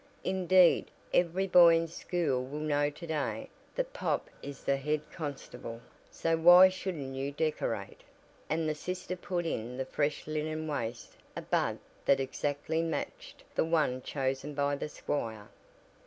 "Indeed every boy in school will know to day that pop is the 'head constable' so why shouldn't you decorate?" and the sister put in the fresh linen waist a bud that exactly matched the one chosen by the squire.